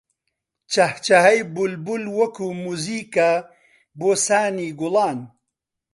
چەهچەهەی بولبول وەکوو مووزیکە بۆ سانی گوڵان